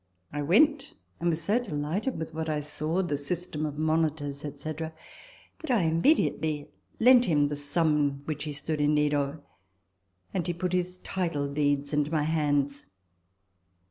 I went ; and was so delighted with what I saw (the system of monitors, &c.), that I immediately lent him the sum which he stood in need of ; and he put his title deeds into my hands.